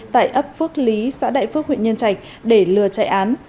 tại ấp phước lý xã đại phước huyện nhân trạch để lừa chạy án